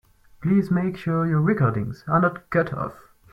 Please make sure your recordings are not cut off.